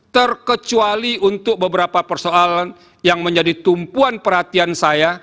terkecuali untuk beberapa persoalan yang menjadi tumpuan perhatian saya